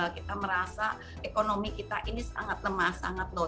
kita merasa ekonomi kita ini sangat lemah sangat low